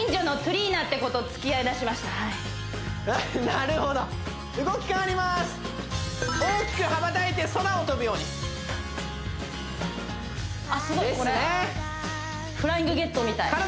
なるほど動き変わります大きく羽ばたいて空を飛ぶようにすごいこれですね